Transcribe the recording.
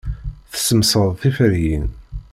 Tessemsad tiferyin.